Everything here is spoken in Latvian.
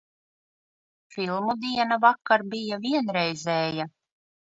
Filmu diena vakar bija vienreizēja.